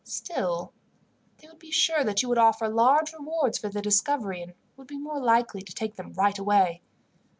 Still, they would be sure that you would offer large rewards for their discovery, and would be more likely to take them right away.